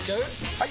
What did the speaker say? ・はい！